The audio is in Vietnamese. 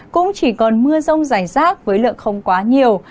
cũng chỉ còn mưa rông rải rác với lượng không quá nhiều